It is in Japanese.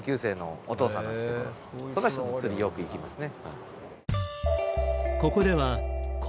その人と釣りよく行きますね。